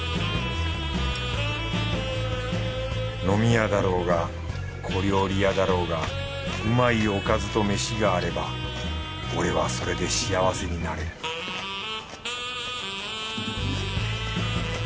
飲み屋だろうが小料理屋だろうがうまいおかずと飯があれば俺はそれで幸せになれる